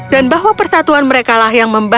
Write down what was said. dan bahwa persatuan mereka adalah kepentingan mereka